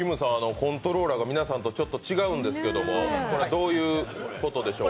コントローラーが皆さんとちょっと違うんですけどどういうことでしょうか。